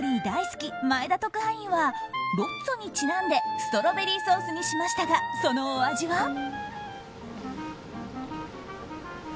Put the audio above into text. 大好き前田特派員はロッツォにちなんでストロベリーソースにしましたがそのお味は？